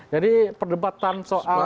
jadi perdebatan soal